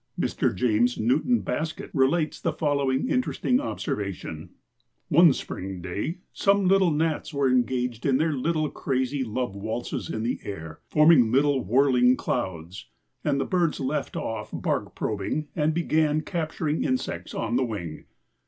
Mr. James Newton Baskett relates the following interesting observation: "One spring day some little gnats were engaged in their little crazy love waltzes in the air, forming little whirling clouds, and the birds left off bark probing and began capturing insects on the wing.